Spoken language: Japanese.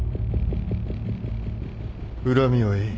恨みはいい。